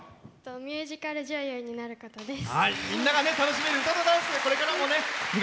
ミュージカル女優になることです。